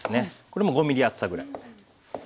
これも５ｍｍ厚さぐらい。